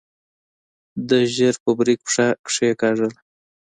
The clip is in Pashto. ده ژر په بريک پښه کېکاږله.